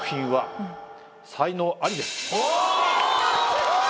すごい！